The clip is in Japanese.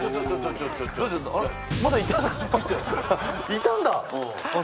いたんだ！